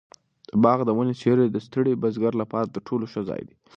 د باغ د ونو سیوری د ستړي بزګر لپاره تر ټولو ښه ځای دی.